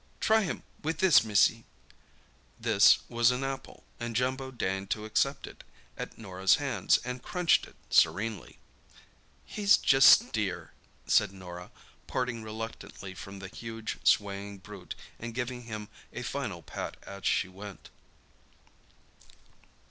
Try him with this, missy." "This" was an apple, and Jumbo deigned to accept it at Norah's hands, and crunched it serenely. "He's just dear," said Norah, parting reluctantly from the huge swaying brute and giving him a final pat as she went.